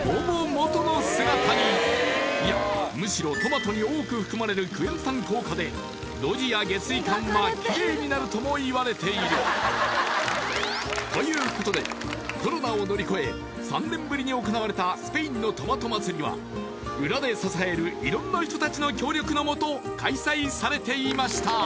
むしろトマトに多く含まれるクエン酸効果で路地や下水管はキレイになるともいわれているということでコロナを乗り越え３年ぶりに行われたスペインのトマト祭りは裏で支える色んな人達の協力のもと開催されていました